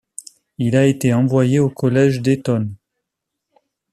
Il a été envoyé au Collège d'Eton.